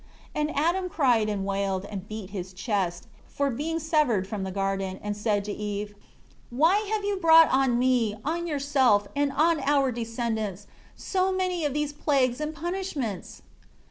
4 And Adam cried and wailed, and beat his chest, for being severed from the garden; and said to Eve: 5 "Why have you brought on me, on yourself, and on our descendants, so many of these plagues and punishments?"